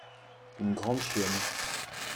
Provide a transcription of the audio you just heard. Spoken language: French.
une grande chienne.